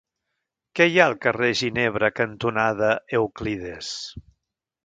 Què hi ha al carrer Ginebra cantonada Euclides?